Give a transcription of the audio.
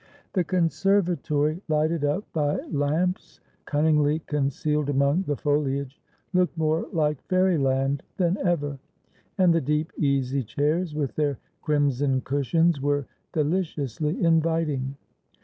The conservatory, lighted up by lamps cunningly concealed among the foliage, looked more like fairyland than ever. And the deep easy chairs, with their crimson cushions, were deliciously inviting.